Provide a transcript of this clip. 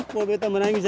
mau meta merangis aja